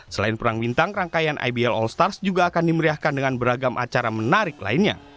selain perang bintang rangkaian ibl all stars juga akan dimeriahkan dengan beragam acara menarik lainnya